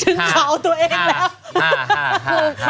ถึงเขาตัวเองแล้ว